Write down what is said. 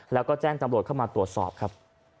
แล้วก็แจ้งตำรวจเข้ามาตรวจสอบครับ